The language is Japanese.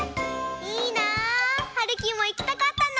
いいな！はるきもいきたかったな！